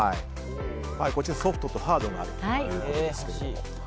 ソフトとハードがあるということです。